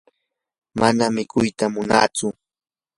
mana mikuyta munatsu.